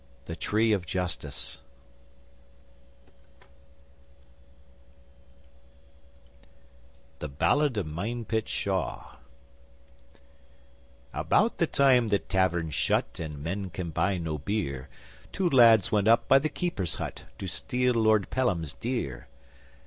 THE TREE OF JUSTICE The Ballad of Minepit Shaw About the time that taverns shut And men can buy no beer, Two lads went up by the keepers' hut To steal Lord Pelham's deer.